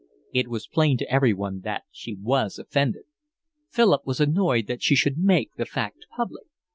It was plain to everyone that she was offended. Philip was annoyed that she should make the fact public.